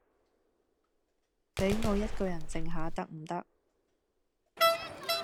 比我一個人靜下得唔得